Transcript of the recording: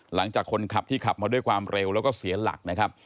หลังจากคนขับที่ขับมาด้วยความเร็วแล้วก็เสียหลักนะครับ